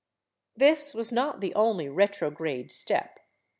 ^ This was not the only retrograde step.